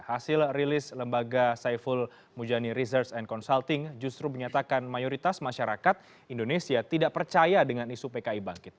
hasil rilis lembaga saiful mujani research and consulting justru menyatakan mayoritas masyarakat indonesia tidak percaya dengan isu pki bangkit